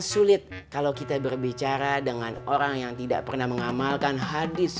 sulit kalau kita berbicara dengan orang yang tidak pernah mengamalkan hadis